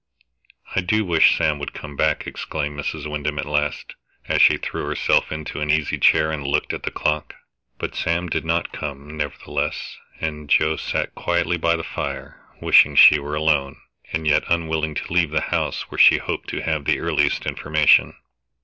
"I do wish Sam would come back," exclaimed Mrs. Wyndham at last, as she threw herself into an easy chair, and looked at the clock. But Sam did not come, nevertheless, and Joe sat quietly by the fire, wishing she were alone, and yet unwilling to leave the house where she hoped to have the earliest information.